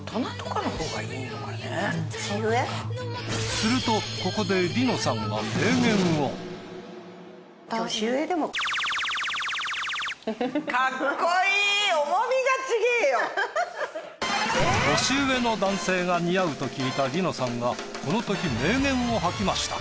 するとここで年上の男性が似合うと聞いた梨乃さんがこのとき名言を吐きました。